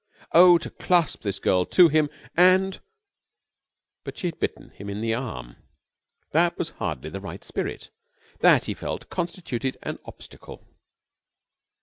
Oh, to clasp this girl to him and But she had bitten him in the arm. That was hardly the right spirit. That, he felt, constituted an obstacle.